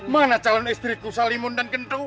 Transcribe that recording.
mana calon istriku salimun dan kendrung